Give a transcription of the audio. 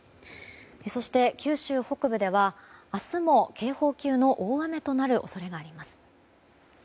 そして、九州北部では明日も警報級の大雨となる恐れがあります。